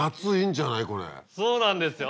そうなんですよ！